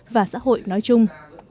và xã hội nói chung